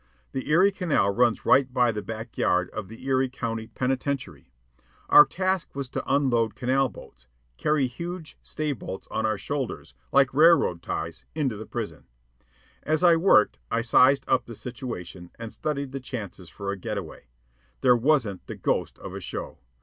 The Erie Canal runs right by the back yard of the Erie County Penitentiary. Our task was to unload canal boats, carrying huge stay bolts on our shoulders, like railroad ties, into the prison. As I worked I sized up the situation and studied the chances for a get away. There wasn't the ghost of a show.